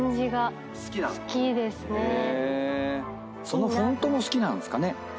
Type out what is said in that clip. そのフォントも好きなんですかね。